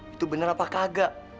itu bener apa kagak